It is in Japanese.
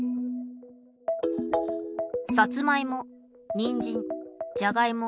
さつまいもにんじんじゃがいも